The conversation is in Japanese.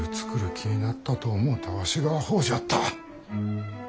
気になったと思うたわしがあほうじゃった！